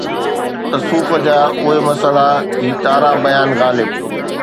تصوف جا اهي مسئلا، هي تارا بيان غالب